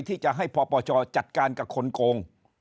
ที่จะให้ปปชจัดการกับคนโกง